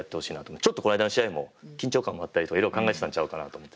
ちょっとこの間の試合も緊張感もあったりとかいろいろ考えてたんちゃうかなと思ってて。